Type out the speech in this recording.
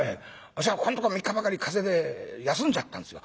あっしはここんとこ３日ばかり風邪で休んじゃったんですよ。